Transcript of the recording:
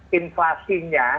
hingga dampak inflasinya